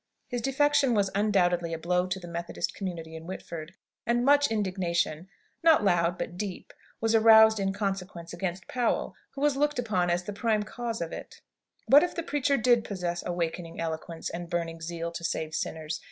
His defection was undoubtedly a blow to the Methodist community in Whitford. And much indignation, not loud but deep, was aroused in consequence against Powell, who was looked upon as the prime cause of it. What if the preacher did possess awakening eloquence and burning zeal to save sinners?